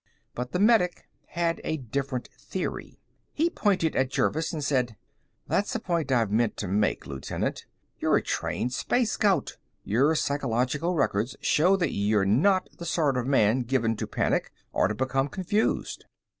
But the medic had a different theory. He pointed at Jervis and said, "That's a point I've meant to make, Lieutenant. You're a trained space scout. Your psychological records show that you're not the sort of man given to panic or to become confused."